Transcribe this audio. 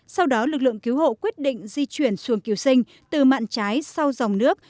sau đó lực lượng cứu hộ quyết định di chuyển xuồng cứu sinh từ mạng trái sau dòng nước